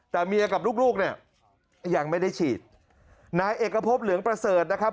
แต่เมียกับลูกลูกเนี่ยยังไม่ได้ฉีดนายเอกพบเหลืองประเสริฐนะครับ